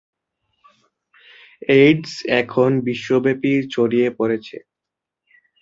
AIDS এখন বিশ্বব্যাপী ছড়িয়ে পড়েছে।